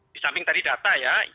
di samping tadi data ya